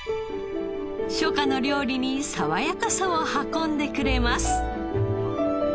初夏の料理に爽やかさを運んでくれます。